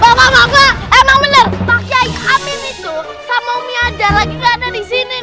bapak bapak emang benar pak kiai amin itu sama umi ada lagi kanan di sini